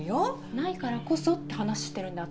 ないからこそって話してるんであって。